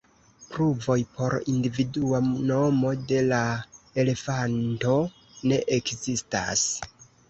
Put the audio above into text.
Pruvoj por individua nomo de la elefanto ne ekzistas.